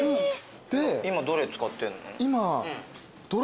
今どれ使ってんの？